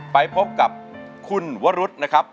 ไปพบกับคุณวรุษนะครับ